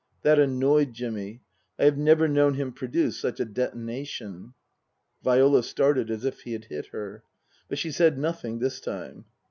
That annoyed Jimmy. I have never known him produce such a detonation. Viola started as if he had hit her. But she said nothing this time.